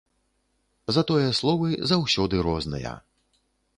Затое словы заўсёды розныя.